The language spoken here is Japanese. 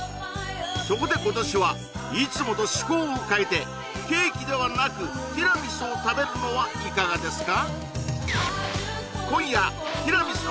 そこで今年はいつもと趣向を変えてケーキではなくティラミスを食べるのはいかがですか？